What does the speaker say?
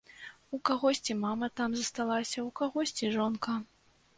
У кагосьці мама там засталася, у кагосьці жонка.